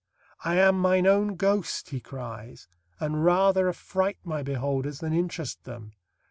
"I am mine own ghost," he cries, "and rather affright my beholders than interest them....